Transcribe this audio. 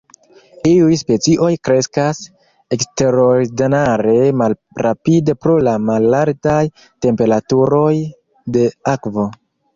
Iuj specioj kreskas eksterordinare malrapide pro la malaltaj temperaturoj de akvo.